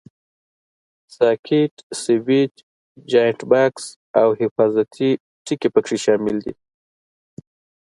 ساکټ، سویچ، جاینټ بکس او حفاظتي ټکي پکې شامل دي.